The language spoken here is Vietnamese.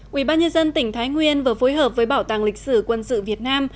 quỹ ban nhân dân tỉnh thái nguyên vừa phối hợp với bảo tàng lịch sử quân sự việt nam